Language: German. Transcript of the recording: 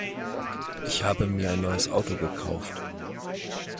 Ich habe mir ein neues Auto gekauft.